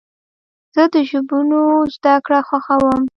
زه د ژبونو زدهکړه خوښوم.